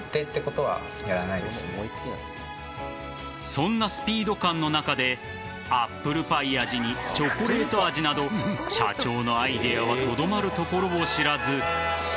そんなスピード感の中でアップルパイ味にチョコレート味など社長のアイデアはとどまるところを知らず。